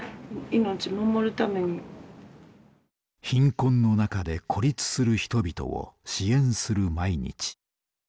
貧困の中で孤立する人々を支援する毎日。